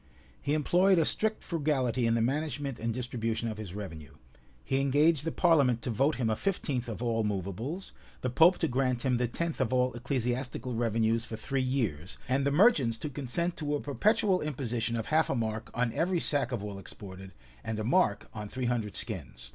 He employed a strict frugality in the management and distribution of his revenue: he engaged the parliament to vote him a fifteenth of all movables; the pope to grant him the tenth of all ecclesiastical revenues for three years; and the merchants to consent to a perpetual imposition of half a mark on every sack of wool exported, and a mark on three hundred skins.